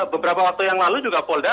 beberapa waktu yang lalu juga polda